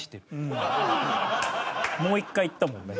もう一回言ったもんね。